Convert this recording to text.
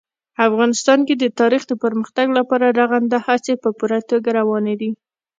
افغانستان کې د تاریخ د پرمختګ لپاره رغنده هڅې په پوره توګه روانې دي.